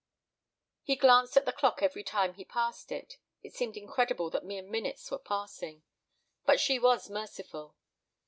He glanced at the clock every time he passed it. It seemed incredible that mere minutes were passing. But she was merciful.